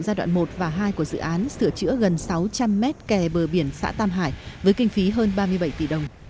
giai đoạn một và hai của dự án sửa chữa gần sáu trăm linh mét kè bờ biển xã tam hải với kinh phí hơn ba mươi bảy tỷ đồng